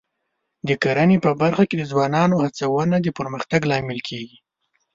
د کرنې په برخه کې د ځوانانو هڅونه د پرمختګ لامل کېږي.